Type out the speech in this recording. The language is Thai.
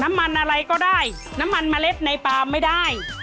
น้ำมันอะไรก็ได้น้ำมันเมล็ดในปาล์มไม่ได้